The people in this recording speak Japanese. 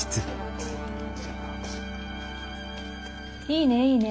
いいねいいね。